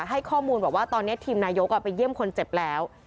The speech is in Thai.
ให้ข้อมูลบอกว่าตอนนี้ทีมนายกไปเยี่ยมคนเจ็บแล้ว